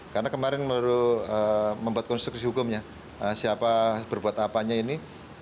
karena kemarin melalui membuat konstruksi hukumnya siapa berbuat apanya ini